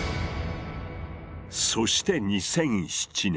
そして２００７年。